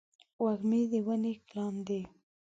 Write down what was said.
وږمې د ونې لاندې